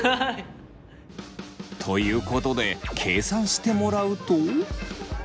ということで計算してもらうと。